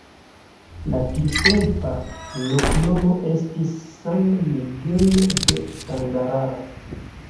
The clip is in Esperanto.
La tiutempa loknomo estis ’’San Miguel de Tangarara’’.